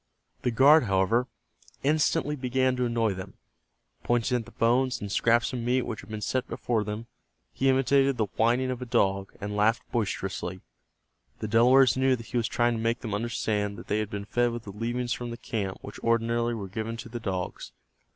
The guard, however, instantly began to annoy them. Pointing at the bones and scraps of meat which had been set before them, he imitated the whining of a dog, and laughed boisterously. The Delawares knew that he was trying to make them understand that they had been fed with the leavings from the camp which ordinarily were given to the dogs.